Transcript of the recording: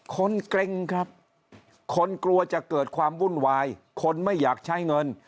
เกร็งครับคนกลัวจะเกิดความวุ่นวายคนไม่อยากใช้เงิน